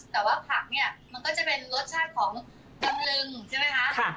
แต่ว่าผักเนี่ยมันก็จะเป็นรสชาติของตะลึงใช่ไหมคะ